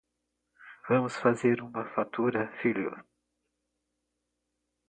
Vamos fazer uma fatura, filho!